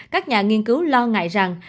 các nhà nghiên cứu lo ngại rằng